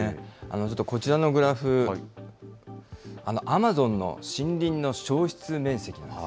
ちょっとこちらのグラフ、アマゾンの森林の消失面積です。